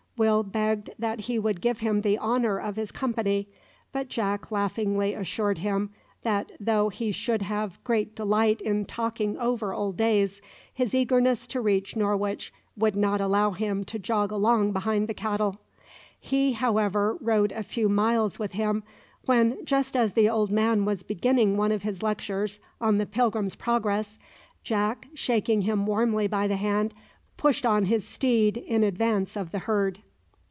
Will begged that he would give him the honour of his company, but Jack laughingly assured him, that though he should have great delight in talking over old days, his eagerness to reach Norwich would not allow him to jog along behind the cattle. He, however, rode a few miles with him, when just as the old man was beginning one of his lectures on the "Pilgrim's Progress," Jack, shaking him warmly by the hand, pushed on his steed in advance of the herd.